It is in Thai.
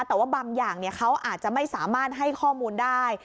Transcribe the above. แต่ว่าบางอย่างเขาอาจจะไม่สามารถให้ข้อมูลได้